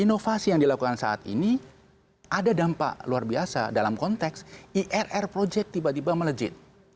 inovasi yang dilakukan saat ini ada dampak luar biasa dalam konteks irr project tiba tiba melejit